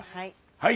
はい！